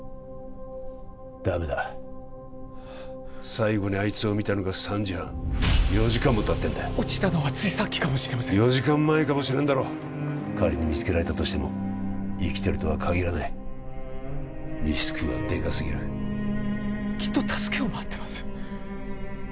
ダメだ最後にあいつを見たのが３時半４時間もたってんだ落ちたのはついさっきかもしれません４時間前かもしれんだろ仮に見つけられたとしても生きてるとはかぎらないリスクがでかすぎるきっと助けを待ってます